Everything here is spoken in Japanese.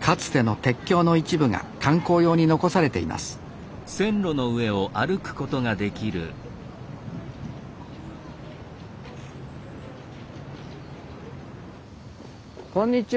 かつての鉄橋の一部が観光用に残されていますこんにちは。